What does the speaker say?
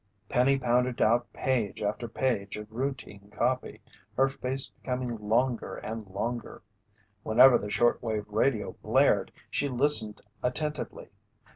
Penny pounded out page after page of routine copy, her face becoming longer and longer. Whenever the shortwave radio blared, she listened attentively.